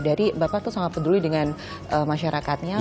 dari bapak tuh sangat peduli dengan masyarakatnya